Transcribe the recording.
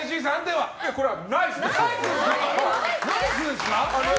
ナイスです。